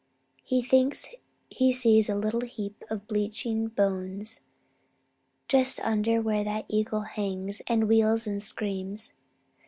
He thinks he sees a little heap of bleaching bones just under where that eagle hangs and wheels and screams.